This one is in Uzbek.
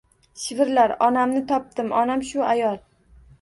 Shivirlar: — Onamni topdim…onam – shu ayol…